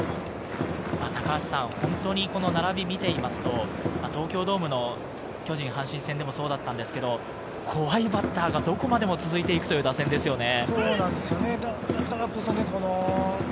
本当に並びを見ていますと、東京ドームの巨人・阪神戦でもそうだったんですけれど、怖いバッターがどこまでも続いていくという打線ですよね。